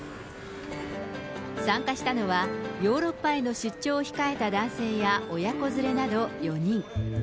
参加したのは、ヨーロッパへの出張を控えた男性や親子連れなど４人。